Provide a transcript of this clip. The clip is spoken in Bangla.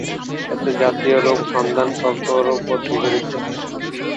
এতে জাতীয় রূপ সন্ধান ও গৌরববোধ বিজড়িত।